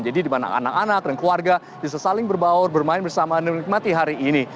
jadi dimana anak anak dan keluarga bisa saling berbaur bermain bersama dan menikmati hari ini